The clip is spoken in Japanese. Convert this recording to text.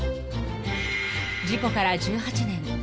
［事故から１８年。